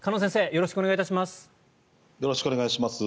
よろしくお願いします。